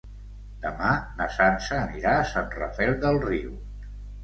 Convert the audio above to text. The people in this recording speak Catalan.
Demà na Sança anirà a Sant Rafel del Riu.